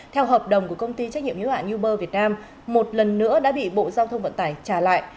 theo hợp đồng của công ty trách nhiệm yếu hạn uber việt nam một lần nữa đã bị bộ giao thông vận tải trả lại